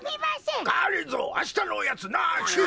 がりぞーあしたのおやつなし！